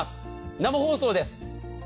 生放送です。